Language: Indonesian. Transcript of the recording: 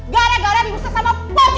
gara gara diusir sama pocongnya